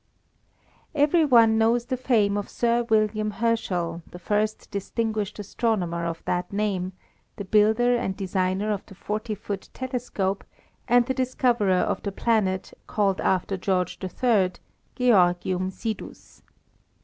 _ EVERY one knows the fame of Sir William Herschel, the first distinguished astronomer of that name, the builder and designer of the forty foot telescope, and the discoverer of the planet, called after George III., Georgium Sidus.